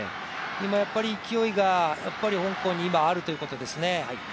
やっぱり勢いが香港に今あるということですね。